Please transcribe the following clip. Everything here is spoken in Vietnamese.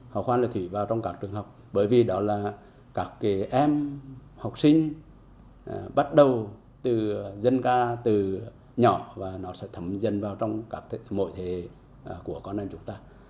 hò khoan lệ thủy vào trong các trường học bởi vì đó là các em học sinh bắt đầu từ dân ca từ nhỏ và nó sẽ thấm dân vào trong mọi thế hệ của con em chúng ta